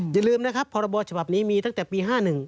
อย่าลืมนะครับพรบฉบับนี้มีตั้งแต่ปี๕๑